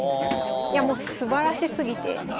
いやもうすばらしすぎて。